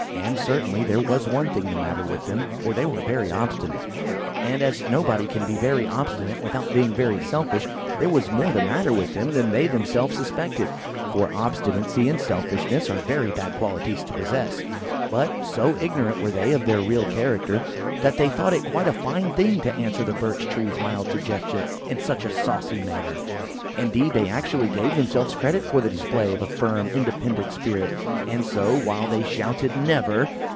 And certainly, there was one thing the matter with them, for they were very obstinate; and as nobody can be very obstinate without being very selfish, there was more the matter with them than they themselves suspected, for obstinacy and selfishness are very bad qualities to possess. But, so ignorant were they of their real character, that they thought it quite a fine thing to answer the Birch tree's mild suggestion in such a saucy manner. Indeed, they actually gave themselves credit for the display of a firm, independent spirit and so, while they shouted "Never!"